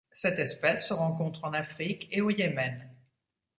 Cette espèce se rencontre en Afrique et au Yémen.